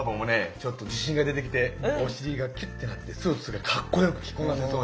ちょっと自信が出てきてお尻がキュッとなってスーツがカッコよく着こなせそうだ。